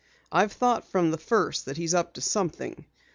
I've thought from the first that he's up to something.